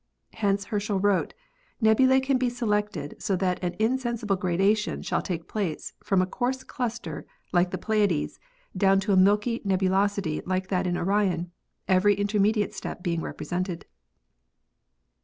Hence Herschel wrote : "Nebulae can be selected so that an insensible gradation shall take place from a coarse cluster like the Pleiades down to a milky nebulosity like that in Orion, every intermediate step being represented."